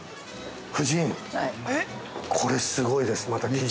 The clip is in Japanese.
夫人、これすごいです、生地。